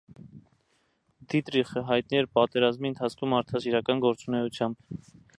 Դիտրիխը հայնտի էր պատերազմի ընթացքում մարդասիրական գործունեությամբ։